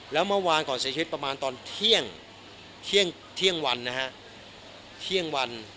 แล้วเมื่อวานก่อนเสียชีวิตประมาณตอนเที่ยงวันนะฮะเที่ยงวัน